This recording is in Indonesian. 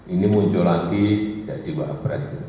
ini muncul lagi jadi wahab resmi